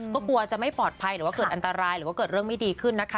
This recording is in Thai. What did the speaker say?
ก็กลัวจะไม่ปลอดภัยหรือว่าเกิดอันตรายหรือว่าเกิดเรื่องไม่ดีขึ้นนะคะ